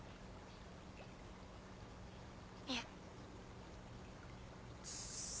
いえ。